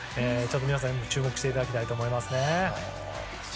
皆さん、注目していただきたいと思います。